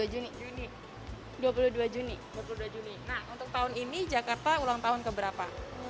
nah untuk tahun ini jakarta ulang tahun keberapa